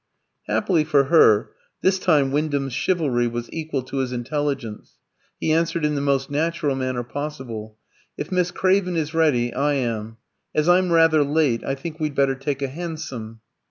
Happily for her, this time Wyndham's chivalry was equal to his intelligence. He answered in the most natural manner possible "If Miss Craven is ready, I am. As I'm rather late, I think we'd better take a hansom."